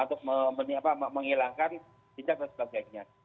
untuk menghilangkan jejak dan sebagainya